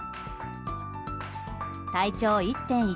体長１．１